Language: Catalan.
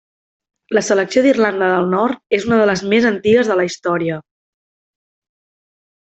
La selecció d'Irlanda del Nord és una de les més antigues de la història.